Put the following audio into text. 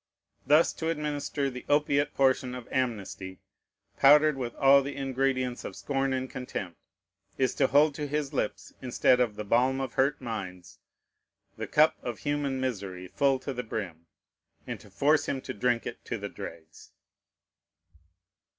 Thus to administer the opiate potion of amnesty, powdered with all the ingredients of scorn and contempt, is to hold to his lips, instead of "the balm of hurt minds," the cup of human misery full to the brim, and to force him to drink it to the dregs.